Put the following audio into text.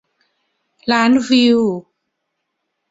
ล้านวิว